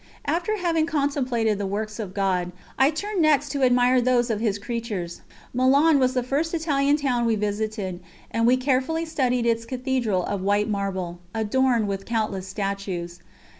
After having contemplated the works of God, I turned next to admire those of His creatures. Milan was the first Italian town we visited, and we carefully studied its Cathedral of white marble, adorned with countless statues.